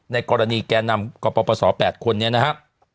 ในกรณีแก้นำกับประสอบ๘คนเนี่ยนะครับ